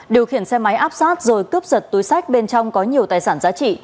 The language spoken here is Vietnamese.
điều khiển xe máy áp sát rồi cướp giật túi sách bên trong có nhiều tài sản giá trị